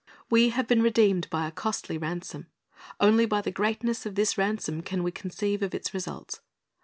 We have been redeemed by a costly ransom. Only by the greatness of this ransom can we conceive of its results.